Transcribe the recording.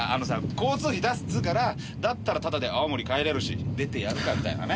交通費出すっつうからだったらタダで青森帰れるし出てやるかみたいなね。